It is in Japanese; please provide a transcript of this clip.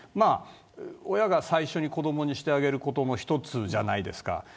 親が最初に子どもにしてあげることの一つじゃないですか。